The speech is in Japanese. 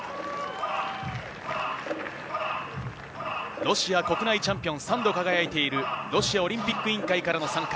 ロシア国内チャンピオンに３度輝いているロシアオリンピック委員会からの参加。